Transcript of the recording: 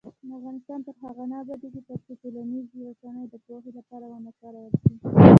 افغانستان تر هغو نه ابادیږي، ترڅو ټولنیزې رسنۍ د پوهې لپاره ونه کارول شي.